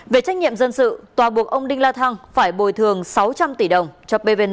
về trách nhiệm dân sự tòa buộc ông đinh la thăng phải bồi thường sáu trăm linh tỷ đồng cho pvn